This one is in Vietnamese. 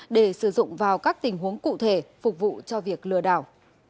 để sử dụng vào các tình huống cụ thể phục vụ cho việc lừa đảo